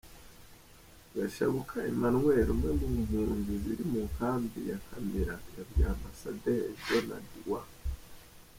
Gashabuka Emanuweli, umwe mu mpunzi ziri mu nkambi ya Nkamira yabwiye Ambasaderi Donadi Wa.